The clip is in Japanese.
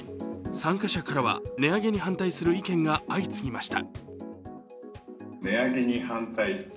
参加者からは、値上げに反対する意見が相次ぎました。